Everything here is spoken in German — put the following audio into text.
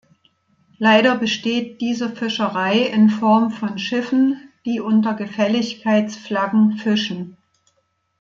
Leider besteht diese Fischerei in Form von Schiffen, die unter Gefälligkeitsflaggen fischen.